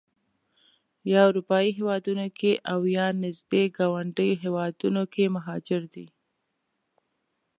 یا اروپایي هېوادونو کې او یا نږدې ګاونډیو هېوادونو کې مهاجر دي.